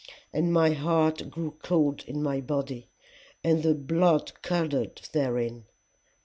And my heart grew cold in my body, and the blood curdled therein.